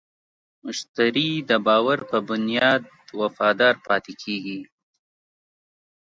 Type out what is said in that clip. مشتری د باور په بنیاد وفادار پاتې کېږي.